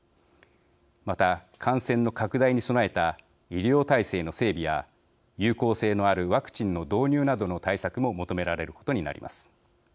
また、感染の拡大に備えた医療体制の整備や、有効性のあるワクチンの導入などの対策も求められることになります。